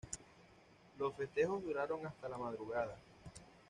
Los festejos duraron hasta la madrugada.